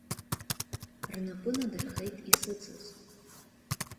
Рнапы надырхеит исыцыз.